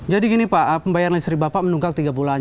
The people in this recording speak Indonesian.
jadi gini pak pembayaran listrik bapak menunggang tiga bulan